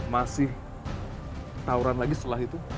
masih tawuran lagi setelah itu